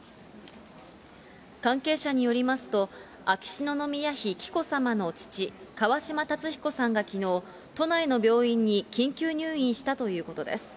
関係者によりますと、秋篠宮妃、紀子さまの父、川嶋辰彦さんがきのう、都内の病院に緊急入院したということです。